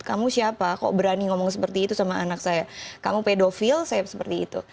kamu siapa kok berani ngomong seperti itu sama anak saya kamu pedofil saya seperti itu